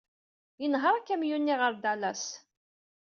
Yenheṛ akamyun-nni ɣer Dallas.